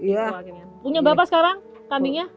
iya punya berapa sekarang kambingnya